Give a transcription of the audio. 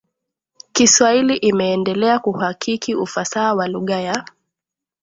kiswahili Imeendelea kuhakiki ufasaha wa lugha ya